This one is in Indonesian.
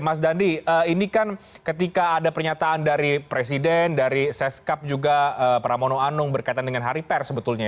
mas dandi ini kan ketika ada pernyataan dari presiden dari seskap juga pramono anung berkaitan dengan hari pers sebetulnya